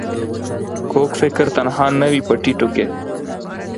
کوږ فکر تنها نه وي په ټيټو کې